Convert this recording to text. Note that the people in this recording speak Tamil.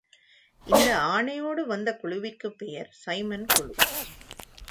இந்த ஆணையோடு வந்த குழுவிற்குப் பெயர் சைமன் குழு.